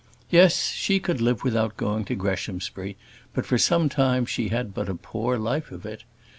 Yes, she could live without going to Greshamsbury; but for some time she had but a poor life of it.